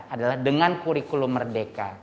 adalah dengan kurikulum merdeka